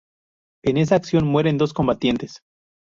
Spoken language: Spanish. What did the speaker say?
En esa acción mueren dos combatientes.